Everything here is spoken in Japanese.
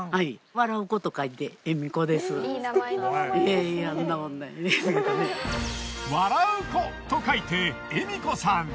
笑う子と書いて笑子さん。